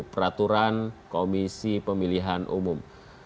peraturan komisi pemilihan umum